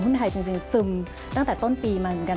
หุ้นไทยจริงซึมตั้งแต่ต้นปีมาเหมือนกัน